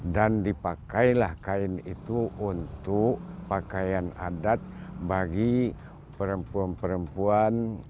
dan dipakailah kain itu untuk pakaian adat bagi perempuan perempuan